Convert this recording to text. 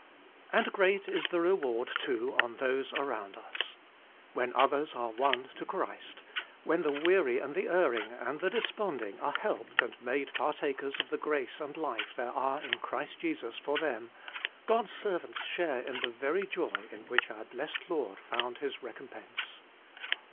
And great is the reward, too, on those around us. When others are won to Ii6 Working for God Christ, when the weary and the erring and the desponding are helped and made par takers of the grace and life there are in Christ Jesus for them, God's servants share in the very joy m which our blessed Lord found His recompense.